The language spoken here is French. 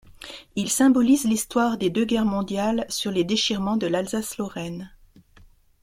Il symbolise l'histoire des deux guerres mondiales sur les déchirements de l'Alsace-Lorraine.